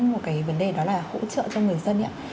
một cái vấn đề đó là hỗ trợ cho người dân ạ